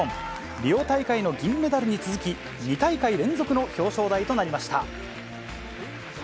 リオ大会の銀メダルに続き、２大会連続の表彰台となりました。